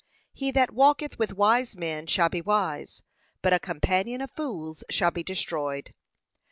'He that walketh with wise men shall be wise; but a companion of fools shall be destroyed.'